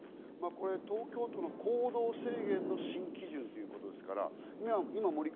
東京都の行動制限の新基準ということですから。